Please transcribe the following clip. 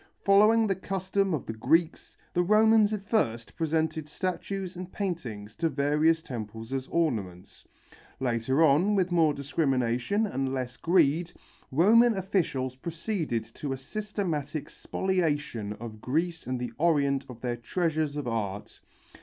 Following the custom of the Greeks, the Romans at first presented statues and paintings to various temples as ornaments. Later on, with more discrimination and less greed, Roman officials proceeded to a systematic spoliation of Greece and the Orient of their treasures of art.